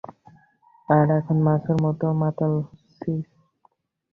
আর এখন মাছের মতো মাতাল হচ্ছিস!